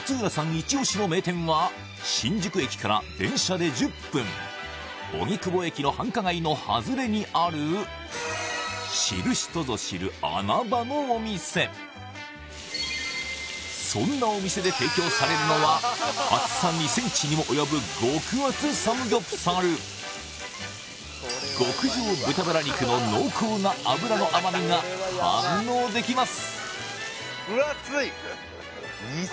イチオシの名店は新宿駅から電車で１０分荻窪駅の繁華街の外れにあるそんなお店で提供されるのは厚さ２センチにも及ぶ極厚サムギョプサル極上豚バラ肉の濃厚な脂の甘みが堪能できます